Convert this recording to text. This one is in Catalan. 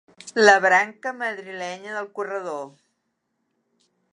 La branca madrilenya del corredor